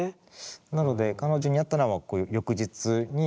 なので彼女に会ったのは翌日に。